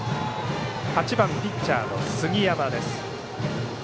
８番ピッチャーの杉山です。